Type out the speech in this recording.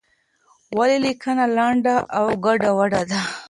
ولې لیکنه لنډه او ګډوډه ده؟